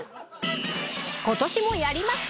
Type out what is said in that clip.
今年もやります。